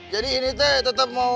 jadi ini teh tetap mau